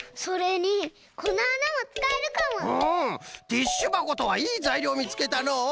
ティッシュばことはいいざいりょうみつけたのう。